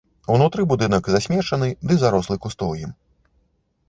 Унутры будынак засмечаны ды зарослы кустоўем.